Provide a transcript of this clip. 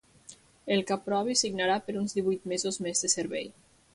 El que aprovi signarà per uns divuit mesos més de servei.